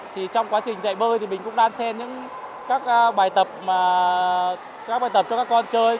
thì trong quá trình chạy bơi thì mình cũng đang xem những các bài tập mà các bài tập cho các con chơi